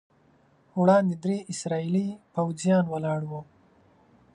وړاندې درې اسرائیلي پوځیان ولاړ وو.